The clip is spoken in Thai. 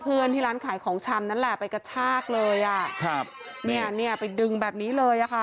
เพื่อนที่ร้านขายของชำนั่นแหละไปกระชากเลยอ่ะครับเนี่ยไปดึงแบบนี้เลยอ่ะค่ะ